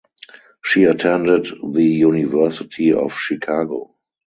She attended the University of Chicago.